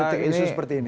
ketik insu seperti ini